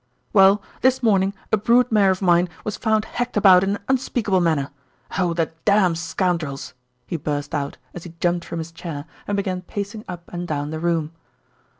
"Well, this morning a brood mare of mine was found hacked about in an unspeakable manner. Oh, the damn scoundrels!" he burst out as he jumped from his chair and began pacing up and down the room.